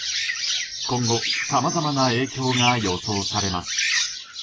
今後、さまざまな影響が予想されます。